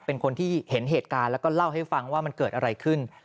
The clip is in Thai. เป็นคนที่เห็นเหตุการณ์แล้วก็เล่าให้ฟังว่ามันเกิดอะไรขึ้น